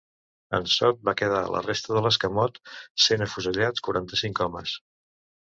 En Sot va quedar la resta de l'escamot, sent afusellats quaranta-cinc homes.